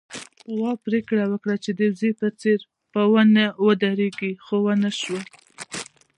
غوا پرېکړه وکړه چې د وزې په څېر په ونې ودرېږي، خو ونه شول